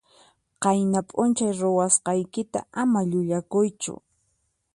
Qayna p'unchay ruwasqaykita ama llullakuychu.